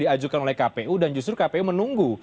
diajukan oleh kpu dan justru kpu menunggu